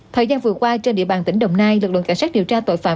thời gian vừa qua trên địa bàn tỉnh đồng nai lực lượng cảnh sát điều tra tội phạm